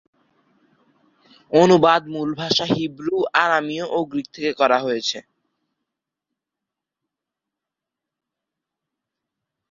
অনুবাদ মূল ভাষা হিব্রু, আরামীয় ও গ্রীক থেকে করা হয়েছে।